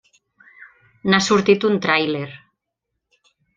N'ha sortit un tràiler.